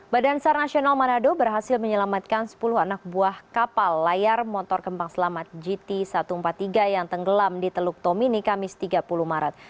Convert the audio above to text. badan sar nasional manado berhasil menyelamatkan sepuluh anak buah kapal layar motor kembang selamat jt satu ratus empat puluh tiga yang tenggelam di teluk tomini kamis tiga puluh maret